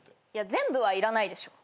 全部はいらないでしょ。